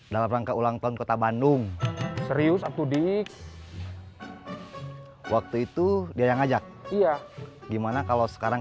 dalam rangka ulang tahun kota bandung serius up todik waktu itu dia yang ngajak iya gimana kalau sekarang